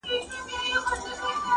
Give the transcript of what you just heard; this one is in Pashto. خلک بېلابېل اوازې جوړوي تل,